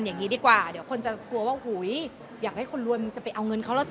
อย่างนี้ดีกว่าเดี๋ยวคนจะกลัวว่าหุยอยากให้คนรวยมันจะไปเอาเงินเขาแล้วสิ